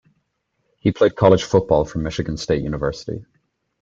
He played college football for Michigan State University.